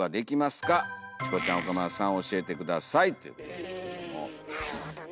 うんなるほどね。